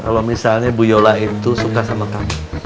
kalau misalnya bu yola itu suka sama kamu